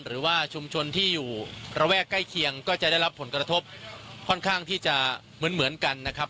หรือว่าชุมชนที่อยู่ระแวกใกล้เคียงก็จะได้รับผลกระทบค่อนข้างที่จะเหมือนกันนะครับ